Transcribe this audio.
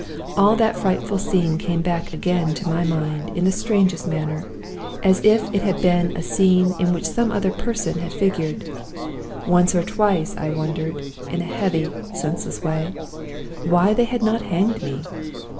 All that frightful scene came back again to my mind in the strangest manner, as if it had been a scene in which some other person had figured. Once or twice I wondered, in a heavy, senseless way, why they had not hanged me!